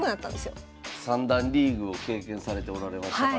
三段リーグを経験されておられましたから。